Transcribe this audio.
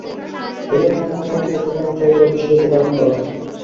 এ জন্য অন্য কর্মকর্তা কর্মচারীদের অফিসে যেতে বারণ করা হয়।